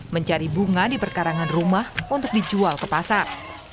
mencari bunga di perkarangan rumah untuk dijual ke pasar